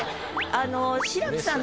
あの志らくさん